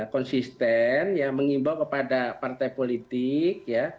konsisten mengimbau kepada partai politik